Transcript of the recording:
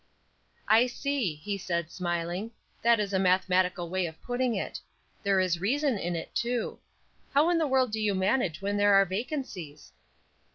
"I see," he said, smiling; "that is a mathematical way of putting it. There is reason in it, too. How in the world do you manage when there are vacancies?"